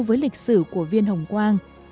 với lịch sử của viên hồng quang